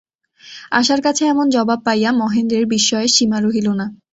আশার কাছে এমন জবাব পাইয়া মহেন্দ্রের বিস্ময়ের সীমা রহিল না।